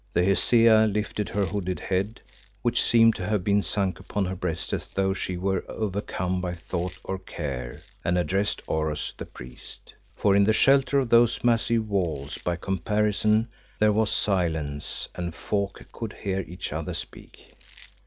The Hesea lifted her hooded head, which seemed to have been sunk upon her breast as though she were overcome by thought or care, and addressed Oros the priest. For in the shelter of those massive walls by comparison there was silence and folk could hear each other speak.